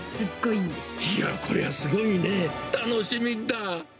いや、こりゃすごいね、楽しみだ。